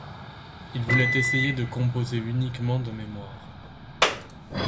Il voulait essayer de composer uniquement de mémoire.